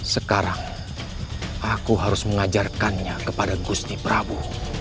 sekarang aku harus mengajarkannya kepada gusti prabu